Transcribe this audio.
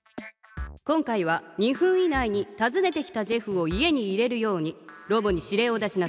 今回は２分以内にたずねてきたジェフを家に入れるようにロボに指令を出しなさい。